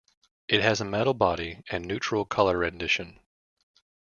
It has a metal body and neutral color rendition.